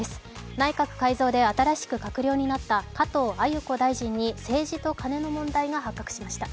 内閣改造で新しく閣僚になった加藤鮎子大臣に政治とカネの問題が発覚しました。